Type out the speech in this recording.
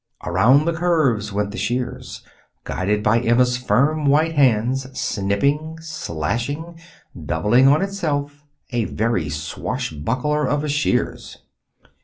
Around the curves went the shears, guided by Emma's firm white hands, snipping, slashing, doubling on itself, a very swashbuckler of a shears.